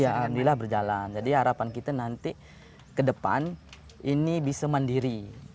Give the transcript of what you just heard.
ya alhamdulillah berjalan jadi harapan kita nanti ke depan ini bisa mandiri